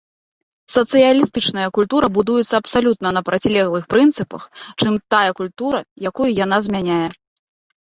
Сацыялістычная культура будуецца абсалютна на процілеглых прынцыпах, чым тая культура, якую яна змяняе.